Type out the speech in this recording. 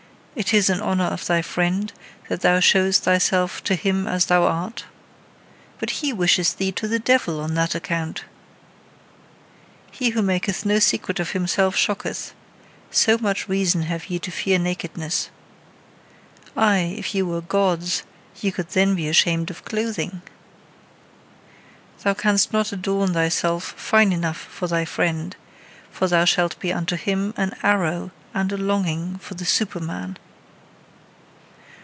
It is in honour of thy friend that thou showest thyself to him as thou art? But he wisheth thee to the devil on that account! He who maketh no secret of himself shocketh: so much reason have ye to fear nakedness! Aye, if ye were Gods, ye could then be ashamed of clothing! Thou canst not adorn thyself fine enough for thy friend; for thou shalt be unto him an arrow and a longing for the Superman.